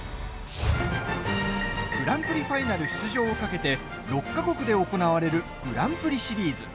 グランプリファイナル出場を懸けて、６か国で行われるグランプリシリーズ。